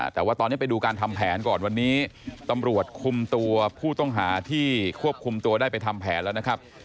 แต่ว่าตอนนี้ไปดูการทำแผนก่อนวันนี้ตำรวจคุมตัวผู้ต้องหาที่ควบคุมตัวได้ไปทำแผนแล้วนะครับ